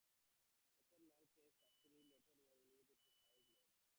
Arthur Nall-Cain succeeded a year later and was elevated to the House of Lords.